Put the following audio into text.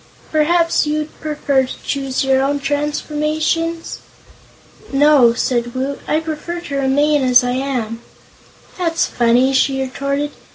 Perhaps you'd prefer to choose your own transformations?" "No," said Woot, "I prefer to remain as I am." "That's funny," she retorted.